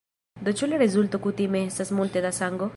Do ĉu la rezulto kutime estas multe da sango?